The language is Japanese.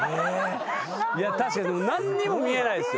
いや確かに何にも見えないですよ